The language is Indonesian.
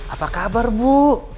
apa kabar bu